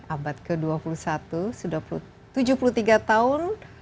abad ke dua puluh satu sudah tujuh puluh tiga tahun